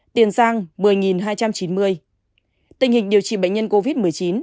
tình hình điều trị bệnh nhân covid một mươi chín